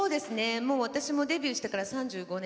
私もデビューしてから３５年。